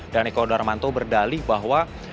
dan eko darmanto berdali bahwa